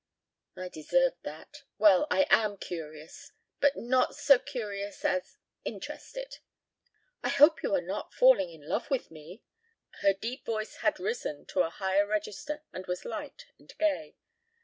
"I deserved that. Well, I am curious. But not so curious as interested." "I hope you are not falling in love with me." Her deep voice had risen to a higher register and was light and gay.